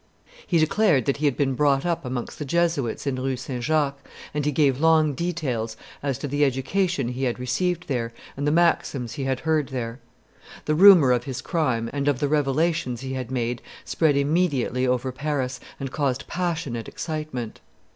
He declared that he had been brought up amongst the Jesuits in Rue St. Jacques, and he gave long details as to the education he had received there and the maxims he had heard there. The rumor of his crime and of the revelations he had made spread immediately over Paris and caused passionate excitement.